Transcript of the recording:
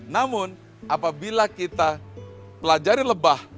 namun apabila kita pelajari lebah